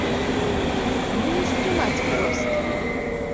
Ну не стрымаць проста.